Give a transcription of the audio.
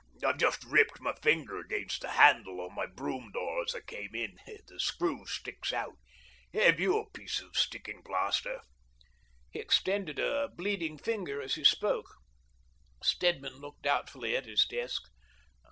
I've just ripped my finger against the handle of my brougham door as I came in — the screw sticks out. Have you a piece of sticking plaster? " He extended a bleeding finger as he spoke. Stedman looked doubtfully at his desk.